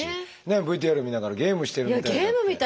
ＶＴＲ見ながら「ゲームしてるみたい」。